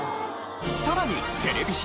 さらにテレビ史